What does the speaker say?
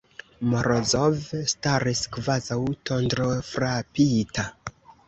Morozov staris kvazaŭ tondrofrapita.